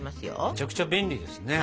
めちゃくちゃ便利ですね。